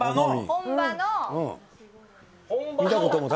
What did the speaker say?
本場の。